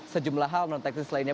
sejumlah hal non teknis lainnya